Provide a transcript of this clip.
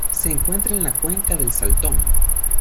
Se encuentra en la cuenca del Salton.